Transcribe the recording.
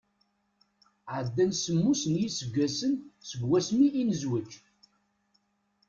Ɛeddan semmus n yiseggasen seg wasmi i nezwej.